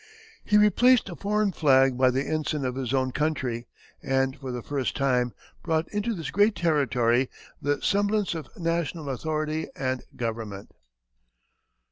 He replaced a foreign flag by the ensign of his own country, and for the first time brought into this great territory the semblance of national authority and government.